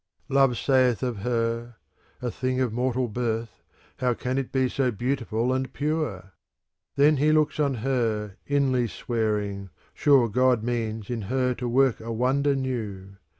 Love saith of her, "A thing of mortal birth, How can it be so beautiful and pure ?" Then he looks on her, inly swearing, " Sure ^ God means in her to work a wonder new."